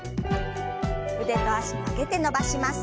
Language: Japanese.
腕と脚曲げて伸ばします。